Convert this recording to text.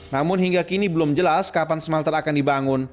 namun hingga kini belum jelas kapan smelter akan dibangun